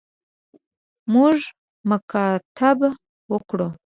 موږ مکاتبه وکړو.